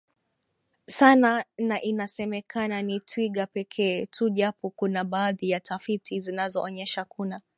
sana na inasemekana ni twiga pekee tu japo kuna baadhi ya tafiti zinaonyesha kuna